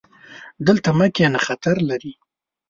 دلته مه کښېنه، خطر لري